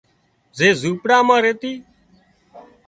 زي زونپڙا مان ريتِي